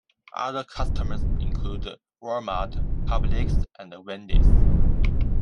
Other customers include Wal-Mart, Publix, and Wendy's.